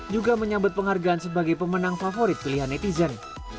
juga menyambut penghargaan sebagai pemenang favorit pilihan netizen